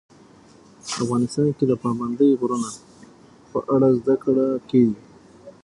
افغانستان کې د پابندی غرونه په اړه زده کړه کېږي.